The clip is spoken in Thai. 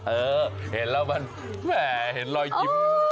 เออเห็นแล้วมันแหมเห็นรอยยิ้ม